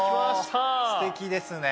すてきですね。